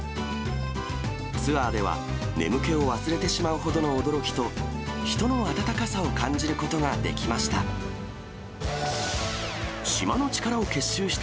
ツアーでは眠気を忘れてしまうほどの驚きと、人の温かさを感じることができました。